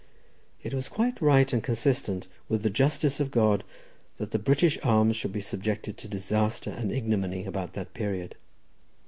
It was quite right and consistent with the justice of God that the British arms should be subjected to disaster and ignominy about that period.